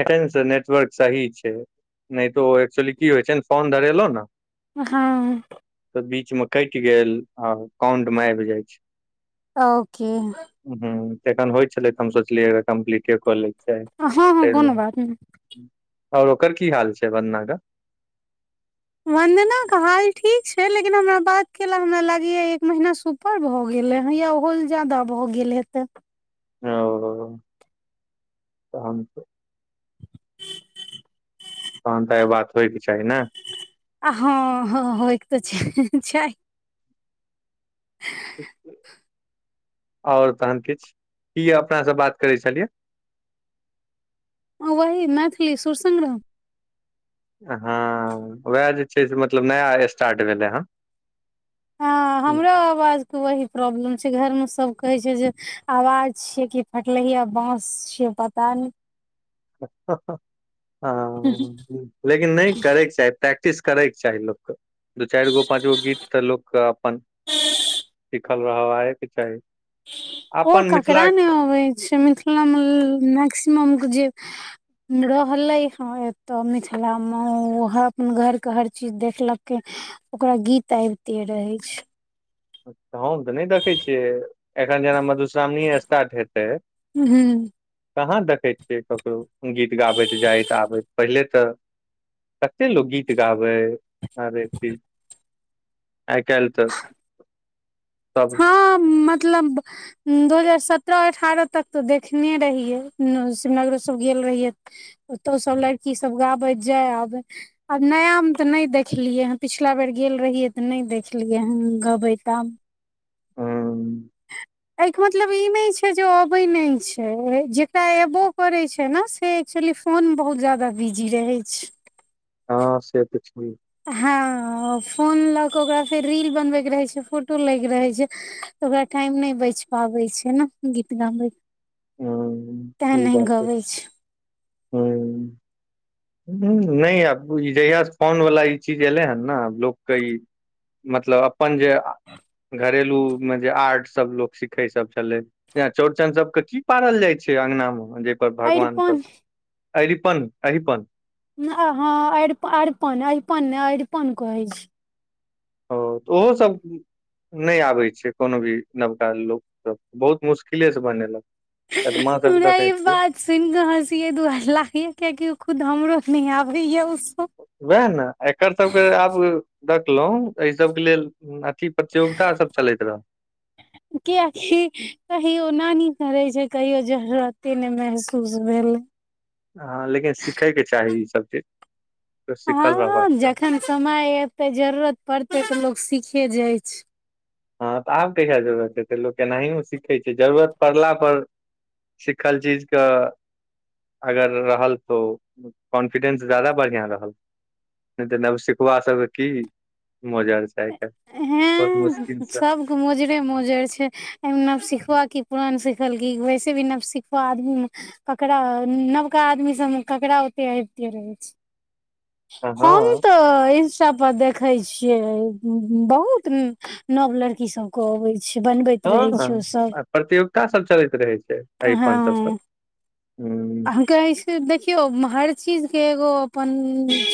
एखन तऽ नेटवर्क सही छै नहि तो ओ एक्चुली की होइ छै ने फोन धरेलौं ने हाँ तऽ बीच मे कटि गेल आ काउंठ मे आबि जाय छै। ओके हूंम्म तऽ एखन होइ छलै तऽ हम सोचलियै कम्प्लीटे कऽ लैके चाही। हँ हँ ताहि कोनो दुआरे बात नै आओर ओकर की हाल छै वंदना क? वन्दना के हाल ठीक छै लेकिन हमरा बात केेला हमरा लागैये एक महिना से उप पर भऽ गेलै हे या ओहो से ज्यादा भऽ गेल हैतै। ओ तहन त तहन तऽ आय बात होयके चाही ने आ हँ हँ होय के तऽ चाही आओर तहन किछु की अपना सब बात करै छलियै? हँ वही मैथिली सुर संग्राम हँ उएह जे छै से मतलब नया स्टार्ट भेलै हँ। हँ हमरो आवाज वही प्रॉब्लम छै घर में सब कहै छै जे आवाज छिये की फटलहीया बांस छियै। पता नहि ह ह ह हं लेकिन नहि करयके चाही प्रैक्टिस करैके चाही लोक के दू चारि गो पाँच गो गीत तऽ लोक के अपन सिखल रहवाये के चाही ओ अपन मिथिला ककरा मे अबै छै मिथिलामे मैक्सिमम के जे रहलै हं एतऽ मिथिलामे ओ अपन घरके हर चीज देखलकै ओकरा गीत आबिते रहै छै हम तऽ नहि देखै छियै एखन जेना मधुश्रावणीेये स्टार्ट हेतै हूं कहाँ देखैत छियै ककरो गीत गाबैत जाइत आबैत पहिले तऽ कते लोक गीत गाबै आर आइ काल्हि तऽ [inaudible] सब आ मतलब दू हजार सत्रह अठारह तक तऽ देखने रहियै नग शिवनगरो सब गेल रहियै ओतौ सब लड़की सब गाबैत जाय आबे आब नया मे तऽ नहि देखलियै ह पिछला बेर गेल रहियै तऽ नहि देखलियै हं गबैत आब हूं एहिके मतलब ई नहि छै जे अबै नहि छै जेकरा एबो करै छै ने से एक्चुअली फोन बहुत जादा बिजी रहै छै। हँ से तऽ छै हँ फोन लऽ क ओकरा फेर रील बनबै के रहै छै फोटो लै के रहै छै ओकरा टाइम नहि बैच पाबै छै ने गीत गाबय के तें हँ नहि गबै छै ह हूं नहि आब जहियास से फोन वला ई चीज एलै हन ने लोक क ई मतलब अपन जे घरेलु मे जे आर्ट सब लोक सिखै सब छलै जे चौड़चन सब के की पारल जाइ छै अङगना मे जाहि पर भगवान सब अरिपन अरिपन अरिपन हँ अरिप अरिपन अरिपन ने अरिपन कहै छै ओ तऽ ओहो सब नहि आबै छै कोनो भी नबका लोक सब बहुत मुश्किले से बनेलक एत मा सबके हमरा देखै ई छियै बात सुनि कऽ हसी ऐ दुआरे लागैया किआकि उ खुद हमरो न आबे या उ सब उएह ने एकर सबके आब देखलहुँ एहि सबके लेल प्रतियोगिता सब चलैत रहल कियाकि कहियो नानी करै छै कहियो जरूरते ने मेहसूस भेल हँ लेकिन सिखयके चाही ईसभ चीज त सिखल रहबाक हँ चाही जखन समय एते जरूरत पड़तै तऽ लोग सिखे जाइ छै हँ तऽ आब कहिया जरूरत हेतै लोक एनाहि मे सीखै छै जरूरत पड़ला पर सिखल चीज क अगर रहल तो कॉन्फिडेंस जायदा बढ़िआं रहल नहि तऽ नव सिखबा सबके की मोजर छै आइ काल्हि बहुत मुश् सब मोजरे मोजर छै ए में नव सिखुवा की पुरान सिखल कि वैसे भी नव सिखुवा आदमी ककरा नवका आदमी सबमे ककरा ओते अबिते रहै छै हँ हम तऽ इंस्टा पर देख ॏ छियै बहुत नव लड़की सब के अबै बनबै हँ आ प्रतियोगिता सब चलैत रहै छै अरिपन सब पर हँ ह हम कहै छै देखियौ हर चीजके एगो अपन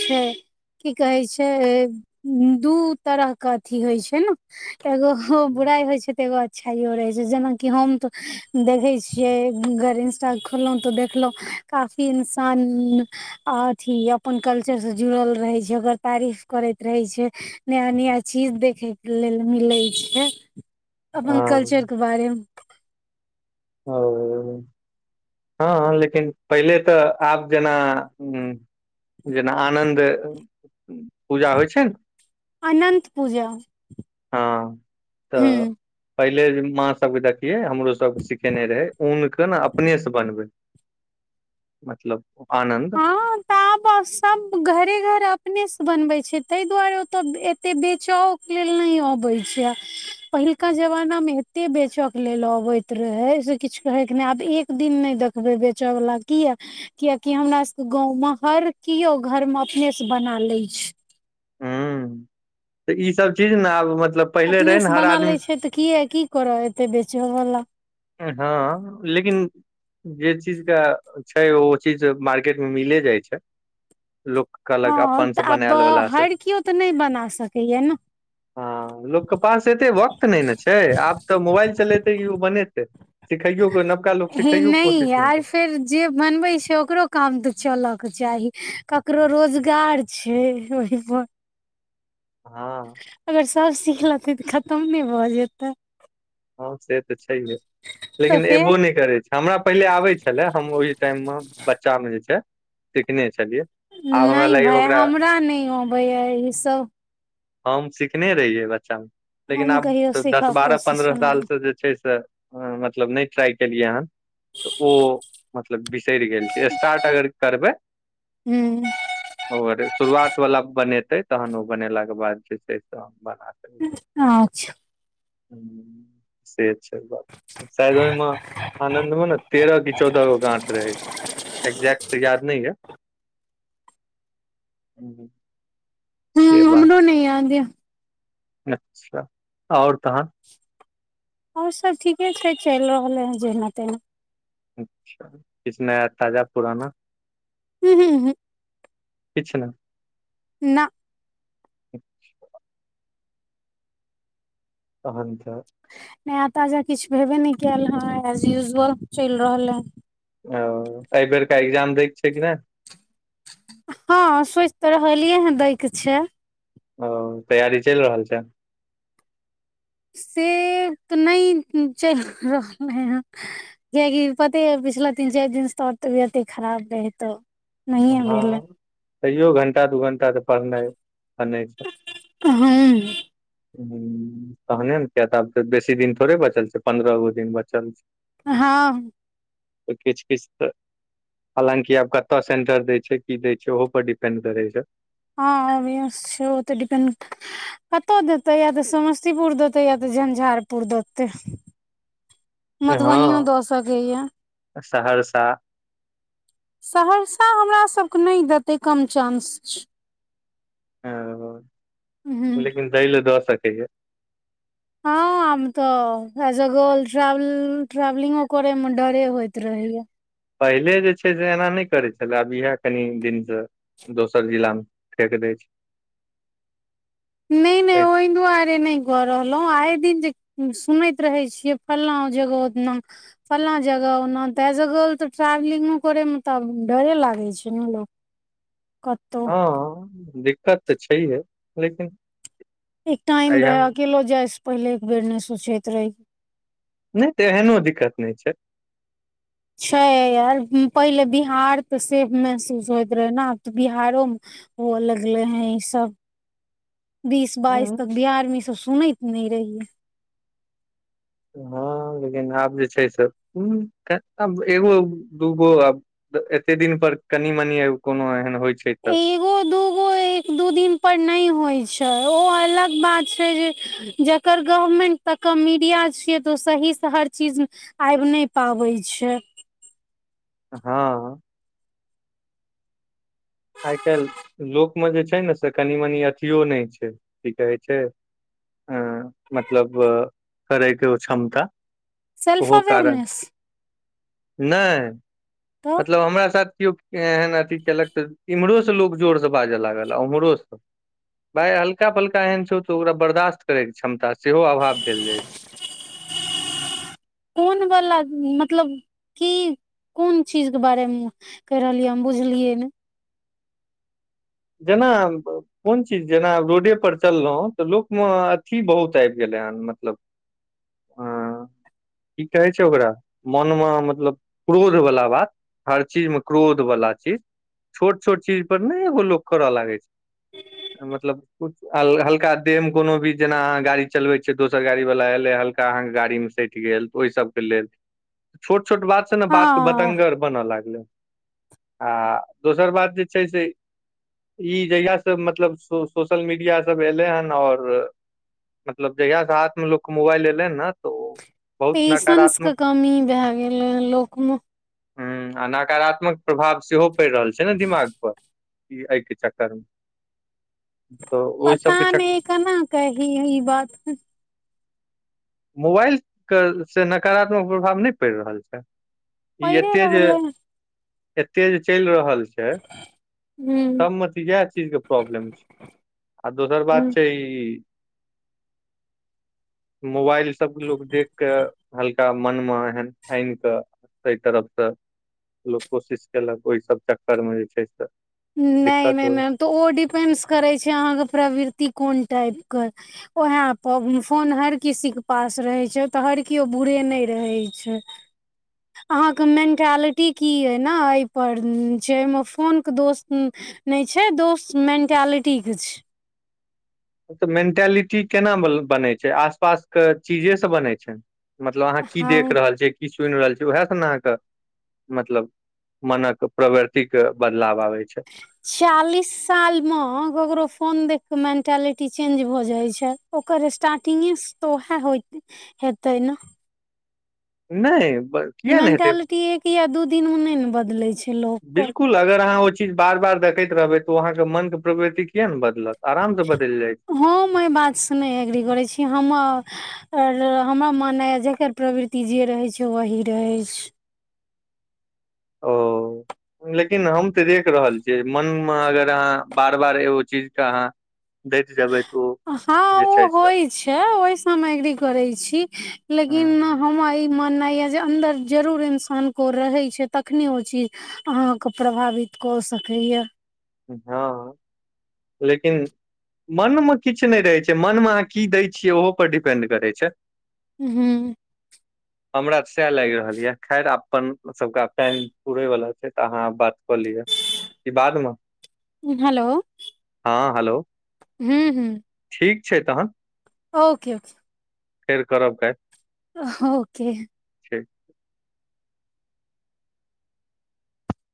छै की कहे छै दू तरह क अथी होइ छै ने एगो ओ बुढ़ाइ होइ छै त एगो अच्छाइयो रहे छै जेनाकि हम तो देखै छियै अगर इंस्टा खोलहुं तऽ देखलौं काफी इन्सान आ अथी अपन कल्चरसँ जुड़ल रहै छै ओकर तारीफ करैत रहै छै नया नया चीज देखै के लेल मिलै छै [inaudible] अपन कल्चर के बारेमे ओ हँ हं लेकिन पहिले तऽ आब जेना जेना आनन्द पूजा होइ छै ने अनन्त पूजा हँ हूँ तऽ पहिले माँ सबके देखियै हमरो सबके सिखेने रहै ऊन के ने अपने से बनबै मतलब आनन्द हँ तऽ आब सब घरे घर अपने से बनवे छै ताहि दुआरे ओत एते बेचव लेल नै अबै छै पहिलका जमाना में एते बेचऽ के लेल अबै त रहै से किछु कहेके नहि आब एक दिन नहि देखबै बेचय वला किया कियकि हमरा गाँंव मे हर किओ घर मे अपने से बना लै छै हूँ तऽ ई सब चीज ने आब मतलब पहिले अपने रहै ने से हर बना लै आदमी छै तऽ किया की करऽ एतै बेचऽ वाला हँ लेकिन जे चीज के छै ओ चीज मार्केट मे मिले जाइ छै लोक कहलक हँ अपन तऽ से आब बनायल वला से हर कियो तऽ नहि बना सकैया न हँ लोकके पास एते वक्त नहि ने छै आब तऽ मोबाइल चलेतै कि ओ बनेतै सिखइयो के नबका लोक हे सिखइयो के कोशिश नहि यार करै फेर जे बनबै छै ओकरो काम तऽ चलऽके चाही ककरो रोजगार छै ओहिप हँ अगर सभ सीख लेतै तऽ खतम नहि भऽ जेतै हँ से तऽ छैहे तऽ लेकिन फेर एबो नहि करै छै हमरा पहिले आबै छलै हम ओहि टाइम मे बच्चा मे जे छै सिखने छलियै आब हमरा नहि लागैया भाय ओकरा हमरा नहि अबैया ईसभ हम सिखने रहियै बच्चामे लेकिन हम आब कहियो दस सीखक बारह कोशिशो नहि के जे छै से मतलब नै ट्राय केलियैहन तओ मतलब बिसरि गेल छियै स्टार्ट अगर करबै हूँ और शुरुआत वला बनेते तहन ओ बनेलाके बाद जे छै से हम बना देेलै अच्छा से शायद ओहिमे आनंद मे ने तेरह कि चौदह गो गाठ रहै छै एग्जैक्ट याद नै मैं हूं से बात नै याद यै अच्छा आओर तहन आओर सब ठीके छै चलि रहले हैं जेना तेना अच्छा किस नया ताजा पुराना हू हू हू किछ नहि न अच्छा तहन त नया ताजा किछ भेबे नहि कयल ह [unintelligible] चलि रहल ह ओ एहि बेेर क एग्जाम दैके छै कि नहि हँ सोचि तऽ रहलियै हं दै के छै ओ तैयारी चलि रहल छै से तऽ नहि चलि रहलै ह कियाकि पते य पिछला तीन चारि दिनस तबियते खराब रहै त हँ तैयो घण्टा दू घण्टा तऽ पढ़नाइ आ नहि छल हूं हू तहने न तिया तऽ बेसी दिन थोड़े बचल छै पंन्द्रहो दिन बचल छै हँ किछ किछ तऽ हालाँकि आब कतऽ सेंटर दै छै की दै छै ओहो पर डिपेंड करै छै हँ [unintelligible] छै ओ तऽ डिपेन्ड कतौ देतै या तऽ समस्तीपुर देतै या तऽ झंझारपुर देतै मधुबनीयो हँ दऽ सकैया सहरसा सहरसा हमरा सभकेँ नहि देतै कम चांस छै ओ हूं लेकिन दैलए दऽ सकैया हँ हम तऽ रजगौल ट्रव ट्रेवलिंगो करे मे डरे होइत रहेया पहिले जे छै से एना नहि करै छलै अब इएह कनि दिनस दोसर जिला मे फेक दय छै नहि नहि छै ओहि दुआरे नहि गऽ रहलहुँ आइ दिन जे सुनैत रहै छियै फल्ना जगह ओना फल्ना जगह ओना त जगल तऽ ट्रेवलिंगो करे मे तब डरे लागै छै ने लोक कत हँ दिक्कत तऽ छैहे लेकिन एक टाइम एहिया रहे अकेलो जाय से पहिले एक बेर नहि सोचैत रही नहि तेहनो दिक्कत नहि छै छै य यार पहिले बिहार तऽ सेफ महसूस होइत रहै न आब तऽ बिहारोमे हुअ लगलै हं ई सब [inaudible] बीस बाइस हँ तक बिहार मे ई सब सुनैत नहि रहियै हाँ लेकिन आब जे छै से हूँ एगो दूगो आब एते दिन पर कनि मनी कोनो एहन होइ छै तऽ एगो दूगो ए- एक दू दिन पर नहि होइ छै ओ अलग बात छै जे जकर गवर्मेंट तऽ के मीडिया छियै तऽ ओ सहीसँ हर चीज आबि नहि पाबै छै हाँ आइ काल्हि लोकमे जे छै ने से कनि मनी अथियो नहि छै की कहै छै हँ मतलब करैके ओ क्षमता सेल्फ ओहो कारण अवेयरनेस नहि तऽ तब हमरा साथ केओ एहन अथी केलक तऽ इम्हरोसँ लोक जोरसँ बाजऽ लागल उम्हरोसँ भाय हल्का फल्का एहन छौ त ओकरा बर्दाश्त करै के क्षमता सेहो अभाव भेल जाय छै कोन वला मतलब की कोन चीज के बारेमे कहि रहलियै हम बुझलियै ने जना अ कोन चीज जेना रोडेपर चललहुँ तऽ लोकमे अथी बहुत आबि गेलै हन मतलब हाँ की कहै छै ओकरा मनमे मतलब क्रोधवला बात हर चीजमे क्रोधवला चीज छोट छोट चीज पर नै एगो लोक करय लागै छै मतलब हल्का देह कोनो भी जेना अह गाड़ी चलबे छियै दोसर गाड़ी वाल एले हल्का अहाँके गाड़ी मे सैट गेल तऽ ओहि सबके लेल छोट छोट बात ने हँ बात बतंगर बन लगलै आ दोसर बात जे छै से ई जहिया सब मतलब सोशल मीडिया सब एलै हन आओर मतलब जहियासँ हाथमे लोकके मोबाइल एलेै ने तऽ ओ बहुत पेशेंसके नकारात्मक कमी भए गेलै हँ लोकमे हूँ आ नकारात्मक प्रभाव सेहो पड़ि रहल छै ने दिमाग पर ई एहिके चक्करमे पता चक नहि केना क ई ही बात मोबाइल के से नकारात्मक प्रभाव नहि पड़ि रहल छै ई पड़े एते जे रहलै एते जे चलि रहल छै से ह सब मे तऽ इहाए चीज प्रॉब्लम छै आ दोसर ह बात छै ई मोबाइल सब लोकोग देख क हल्का मन मे हएन आनि कऽ एहिा तरफसँ लोक कोशिश कयेलक ओहिसभ चक्करमे जे छै से नहि दिक्कत नहि होइ मैम तऽ ओ डिपेंडस करै छै अहाँके प्रवृति कोन टाइपके उहाए पर फोन हर किसी के पास रहै छै त हर कियो बुरे नहि रहै छै [inaudible] अहाँके मेंटालिटी की ये न एहि पर छै एहि मे फोनके दोष हूँ नहि छै दोस मेंटालिटी के छै तऽ मेंटालिटी केना बनै छै आसपास के चीजे स बनै छै मतलब अहाँ की देख हँ रहल छियै की सुनि रहल छियै उएहस ने अहाँके मतलब मनक प्रवृतिक के बदलाव आबै छै चियालीस सालमे ककरो फोन देख कऽ मेंटालिटी चेंज भऽ जाइ छै ओकर स्टार्टिगेसँ तऽ ओएह हो हेतै ने नहि ब- मेंटालिटी एक या दू दिन ओ नहि ने बदलै छै लोकके बिल्कुल अगर अहाँ चीज बार बार देखैत रहबै तऽ ओ अहाँ के मन के प्रवृति कििया नऽ बदलत आराम से बदलि जाय छै हम एहि बातसँ नहि एग्री करै छी हमर आऔर हमरा मन य जकर प्रवृति जे रहै छै वही रहै छै ओ लेकिन हम तऽ देख रहल छियै मन मऽ अगर अहाँ बार बार एगो चीज कऽ अहाँ [unintelligible] जेबै तऽ ओ हँ जे ओ छै से होइ छै ओहि हम एग्री करे छी लेकिन हुँ, हमर ई माननाइ यऽ जे अन्दर जरूर इंसान ओ रहै छै तखने ओ चीज अहाँके प्रभावित कऽ सकैए हँ लेकिन मनमे किछ नहि रहै छै मनमे अहाँ की दै छियै ओहो पर डिपेंड करै छै हूँ हमरा तऽ सएह लागि रहल यऽ खैर अपन सबके अब टाइम पूुरै वला छै तऽ अहाँ बात कऽ लिअ कि बादमऽ हेलो हॅ हेलो हूँ हूँ ठीक छै तहन ओके ओके फेर करब कायल ओके